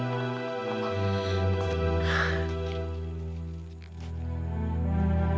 aku sudah mencintai kamila